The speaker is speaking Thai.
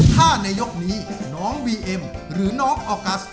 ถ้าในยกนี้น้องบีเอ็มหรือน้องออกัส